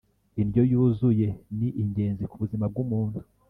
Indyo yuzuye ni ingenzi ku buzima bwumuntu